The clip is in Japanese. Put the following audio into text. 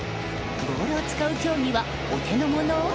ボールを使う競技はお手の物？